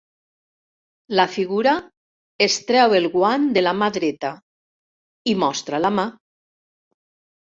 La figura es treu el guant de la mà dreta i mostra la mà.